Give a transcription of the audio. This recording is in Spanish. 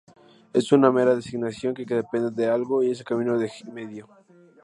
Es una mera designación que depende de algo, y es el camino medio.